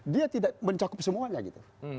dia tidak mencakup semuanya gitu